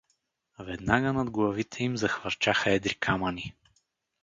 Веднага над главите им захвърчаха едри камъни.